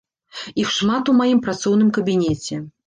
Іх шмат у маім працоўным кабінеце.